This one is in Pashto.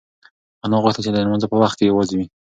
انا غوښتل چې د لمانځه په وخت کې یوازې وي.